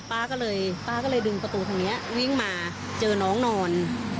ป้าก็เลยป้าก็เลยดึงประตูทางนี้วิ่งมาเจอน้องนอน